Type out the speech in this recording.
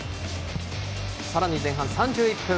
さらに前半３１分。